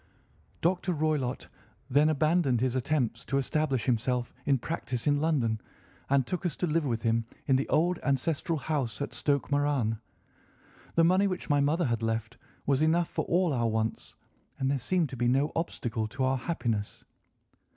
Dr. Roylott then abandoned his attempts to establish himself in practice in London and took us to live with him in the old ancestral house at Stoke Moran. The money which my mother had left was enough for all our wants, and there seemed to be no obstacle to our happiness.